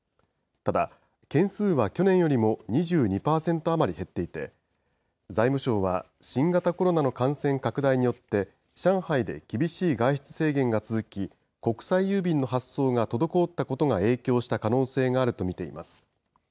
ただ、件数は去年よりも２２％余り減っていて、財務省は新型コロナの感染拡大によって、上海で厳しい外出制限が続き、国際郵便の発送が滞ったことが影響した可能性があると見ています。